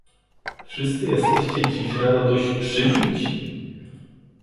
Wszyscy jesteście dziś rano dość przybici